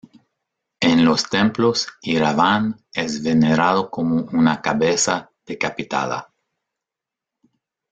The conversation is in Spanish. En los templos, Iraván es venerado como una cabeza decapitada.